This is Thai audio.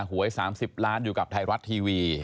หวย๓๐ล้านอยู่กับไทยรัฐทีวี